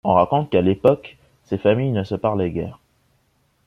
On raconte qu'à l'époque ces familles ne se parlaient guère.